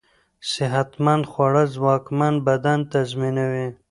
صحتمند خواړه ځواکمن بدن تضمينوي.